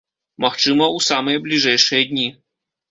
Магчыма, у самыя бліжэйшыя дні.